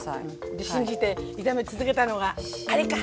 で信じて炒め続けたのがあれか！